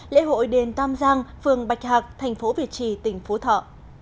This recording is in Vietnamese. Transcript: lễ hội đền tam giang phường bạch hạc tp việt trì tỉnh phú thọ